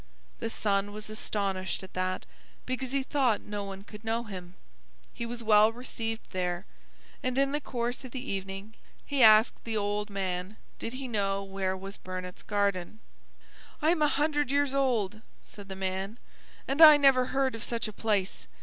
The son was astonished at that because he thought no one could know him. He was well received there, and in the course of the evening he asked the old man did he know where was Burnett's garden. "I am a hundred years old," said the man, "and I never heard of such a place.